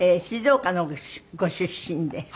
静岡のご出身で。